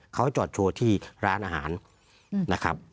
เขาจอดโชว์ที่ร้านอาหารนะครับ